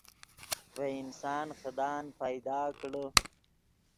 ڤے انسان خدان پیدا کڑے